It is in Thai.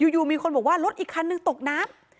อยู่มีคนบอกว่ารถอีกคันนึงตกน้ำ